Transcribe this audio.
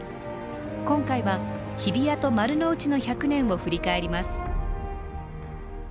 今回は日比谷と丸の内の１００年を振り返ります。